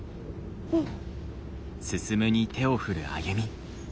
うん。